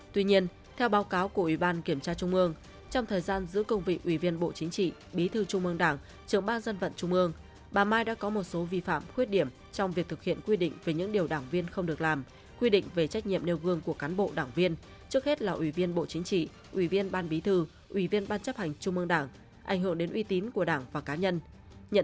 tuy nhiên theo báo cáo của ủy ban kiểm tra trung mương trong thời gian giữ công vị ủy viên bộ chính trị bí thư trung mương đảng trưởng ban dân vận trung mương bà mai đã có một số vi phạm khuyết điểm trong việc thực hiện quy định về những điều đảng viên không được làm quy định về trách nhiệm nêu gương của cán bộ đảng viên trước hết là ủy viên bộ chính trị ủy viên ban bí thư ủy viên ban chấp hành trung mương đảng ảnh hưởng đến uy tín của đảng và cá nhân